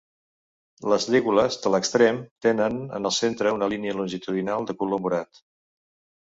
Les lígules de l'extrem tenen en el centre una línia longitudinal de color morat.